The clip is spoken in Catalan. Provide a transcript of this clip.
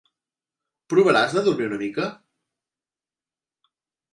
Provaràs de dormir una mica?